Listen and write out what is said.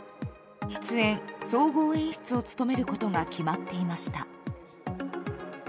出演・総合演出を務めることが決まっていました。